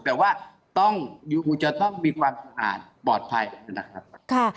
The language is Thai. แต่ว่าต้องยูทูจะต้องมีความสะอาดปลอดภัยนะครับ